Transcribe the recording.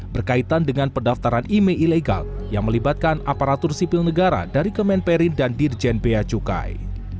berkaitan dengan pendaftaran email ilegal yang melibatkan aparatur sipil negara dari kemenperin dan dirjen bea cukai